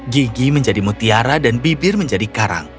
gigi menjadi mutiara dan bibir menjadi karang